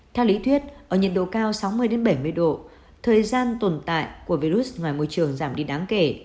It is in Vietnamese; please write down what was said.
theo lý thuyết ở nhiệt độ cao sáu mươi bảy mươi độ thời gian tồn tại của virus ngoài môi trường giảm đi đáng kể